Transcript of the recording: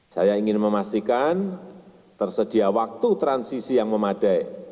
saya ingin memastikan tersedia waktu transisi yang memadai